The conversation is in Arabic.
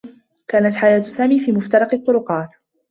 كانت حياة سامي في مفترق الطّرقات.